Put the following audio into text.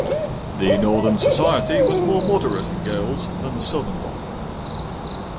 The northern society was more moderate in goals than the southern one.